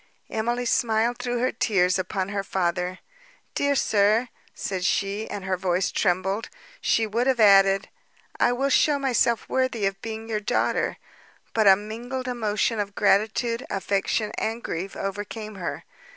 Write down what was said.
Emily smiled through her tears upon her father: "Dear sir," said she, and her voice trembled; she would have added, "I will show myself worthy of being your daughter;" but a mingled emotion of gratitude, affection, and grief overcame her.